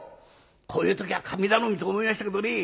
こういう時は神頼みと思いましたけどね